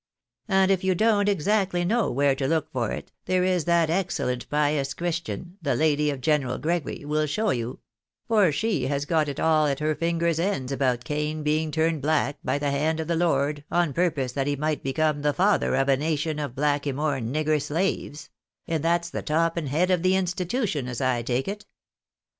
And if you don't exactly know where to look for it, there is that excellent pious Christian, the lady of General Gre gory, wiU show you ; for she has got it all at her fingers' ends about Cain being turned black by the hand of the Lord, on purpose that he might become the father of a nation of blackymore nigger slaves : and that's the top and head of the institution, as I take it.